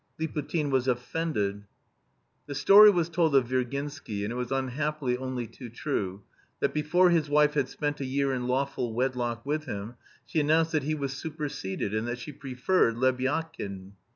Liputin was offended. The story was told of Virginsky, and it was unhappily only too true, that before his wife had spent a year in lawful wedlock with him she announced that he was superseded and that she preferred Lebyadkin.